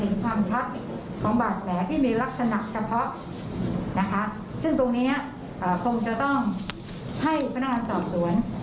ความชัดของบาดแผลที่มีลักษณะเฉพาะนะคะซึ่งตรงนี้คงจะต้องให้พนักงานสอบสวน